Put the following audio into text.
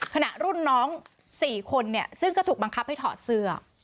ขณะรุ่นน้อง๔คนซึ่งก็ถูกบังคับให้ถอดเสื้อ